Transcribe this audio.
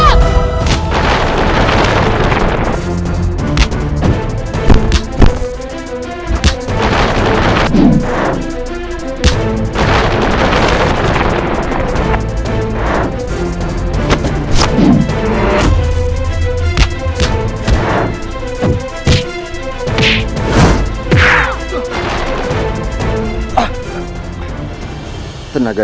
berarti kau melangkangku